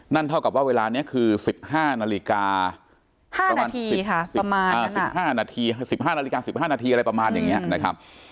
นั่นเท่ากับว่าเวลานี้คือ๑๕นาฬิกา๑๕นาทีอะไรประมาณอย่างนี้นะครับ